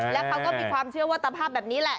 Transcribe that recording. แล้วเขาก็มีความเชื่อว่าตภาพแบบนี้แหละ